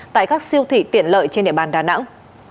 tại các siêu thị tiện lợi trên địa bàn đà nẵng